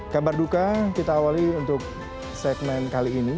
kabar duka kita awali untuk segmen kali ini